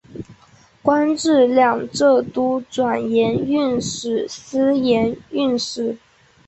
官至两浙都转盐运使司盐运使。